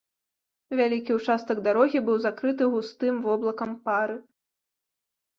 Вялікі ўчастак дарогі быў закрыты густым воблакам пары.